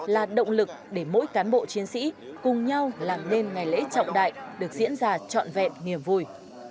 là động lực để mỗi cán bộ chiến sĩ cùng nhau làm nên ngày lễ trọng đại được diễn ra trọn vẹn niềm vui